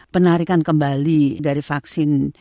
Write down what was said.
penarikan kembali dari vaksin